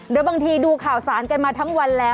โดยบางทีดูข่าวสารกันมาทั้งวันแล้ว